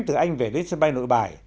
từ anh về đến sân bay nội bài